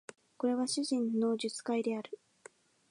これは主人の述懐である